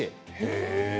へえ。